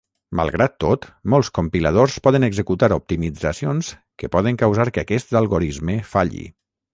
Malgrat tot, molts compiladors poden executar optimitzacions que poden causar que aquest algorisme falli.